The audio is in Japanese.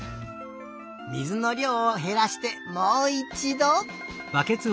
水のりょうをへらしてもういちど！